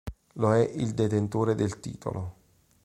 Lo è il detentore del titolo.